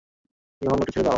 রোহন ওকে ছেড়ে দাও।